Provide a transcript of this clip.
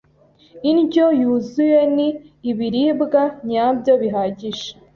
Indyo yuzuye ni ibiribwa nyabyo bihagije,